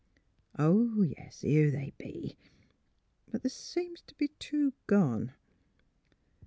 ''■ Oh, yes ; here they be. ... But the ' seems t' be two gone."